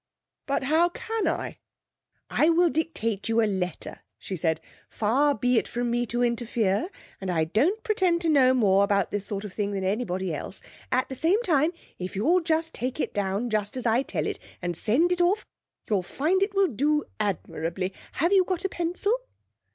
'But how can I?' 'I will dictate you a letter,' she said. 'Far be it from me to interfere, and I don't pretend to know more about this sort of thing than anybody else. At the same time, if you'll take it down just as I tell it, and send it off, you'll find it will do admirably. Have you got a pencil?'